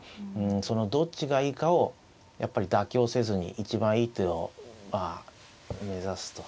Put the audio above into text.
そのどっちがいいかをやっぱり妥協せずに一番いい手を目指すと。